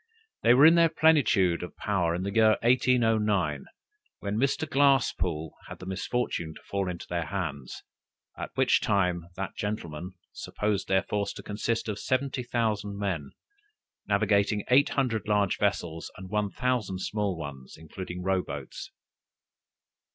They were in their plenitude of power in the year 1809, when Mr. Glasspoole had the misfortune to fall into their hands, at which time that gentleman supposed their force to consist of 70,000 men, navigating eight hundred large vessels, and one thousand small ones, including row boats.